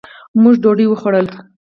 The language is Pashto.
مونږ ډوډي وخوړله